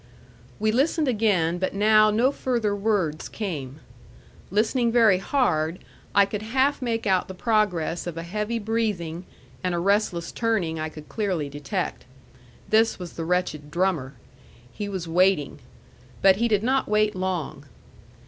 We listened again, but now no further words came. Listening very hard, I could half make out the progress of a heavy breathing, and a restless turning I could clearly detect. This was the wretched drummer. He was waiting. But he did not wait long.